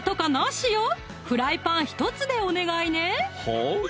はい